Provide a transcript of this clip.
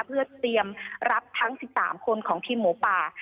เพื่อเตรียมรับทั้ง๑๓คนของทีมหมูป่า